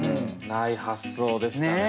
ない発想でしたね。